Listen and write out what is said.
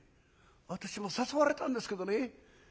私も誘われたんですけどね